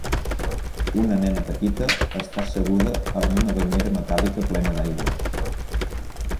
Una nena petita està asseguda en una banyera metàl·lica plena d'aigua.